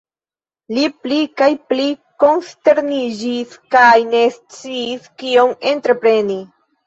Li pli kaj pli konsterniĝis kaj ne sciis kion entrepreni.